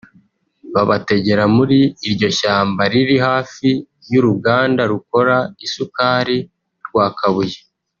babategera muri iryo shyamba riri hafi y’uruganda rukora isukari rwa Kabuye